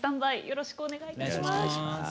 よろしくお願いします。